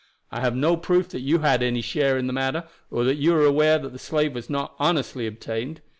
I have no proof that you had any share in the matter, or that you are aware that the slave was not honestly obtained.